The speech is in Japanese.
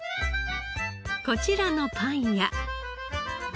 こちらのパン屋。